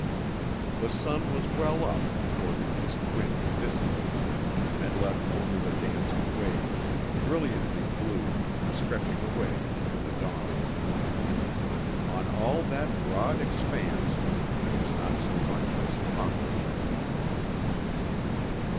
The sun was well up before the east wind dissipated it, and left only the dancing waves, brilliantly blue, stretching away into the dawn. On all that broad expanse there was not so much as a cockle shell afloat.